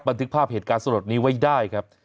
บันทึกภาพเหตุการณ์สลดนี้ไว้ได้ครับ